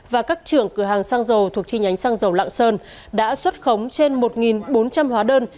và các trưởng cửa hàng xăng dầu thuộc chi nhánh xăng dầu lạng sơn đã xuất khống trên một bốn trăm linh hóa đơn